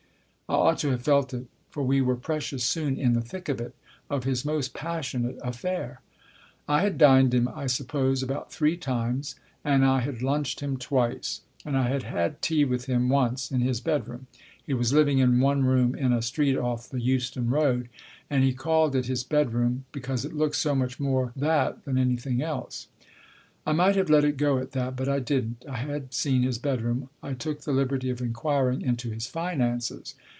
I ought to have felt it. For we were precious soon in the thick of it of his most passionate affair. I had dined him, I suppose, about three times, and I had lunched him twice. And I had had tea with him once in his bedroom. He was living in one room in a street off the Euston Road, and he called it his bedroom because it looked so much more that than anything else. I might have let it go at that. But I didn't. I had seen his bedroom. I took the liberty of inquiring into his finances.